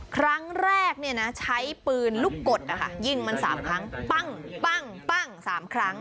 ครั้งแรกเนี่ยนะใช้ปืนลูกกดอ่ะค่ะยิ่งมัน๓ครั้งปั้ง๓ครั้ง